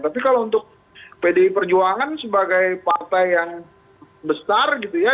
tapi kalau untuk pdi perjuangan sebagai partai yang besar gitu ya